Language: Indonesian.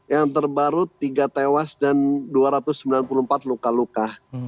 yang terbaru tiga tewas dan dua ratus sembilan puluh empat luka luka